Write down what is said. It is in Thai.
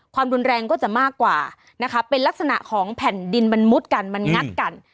ความรุนแรงก็จะมากกว่านะคะเป็นลักษณะของแผ่นดินมันมุดกันมันงัดกัน